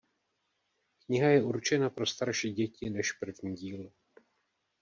Kniha je určena pro starší děti než první díl.